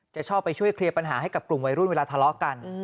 ชอบไปช่วยเคลียร์ปัญหาให้กับกลุ่มวัยรุ่นเวลาทะเลาะกัน